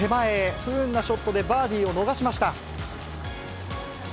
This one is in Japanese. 不運なショットでバーディーを逃しました。